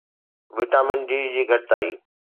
vitamin D جي گھٽتائي